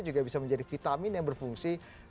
juga bisa menjadi vitamin yang berfungsi